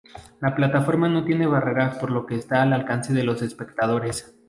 La plataforma no tiene barreras por lo que está al alcance de los espectadores.